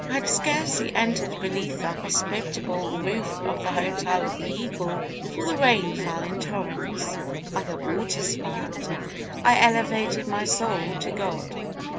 "I had scarcely entered beneath the hospitable roof of the hotel of the Eagle, before the rain fell in torrents, like a waterspout. I elevated my soul to God.